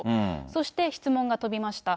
そして質問が飛びました。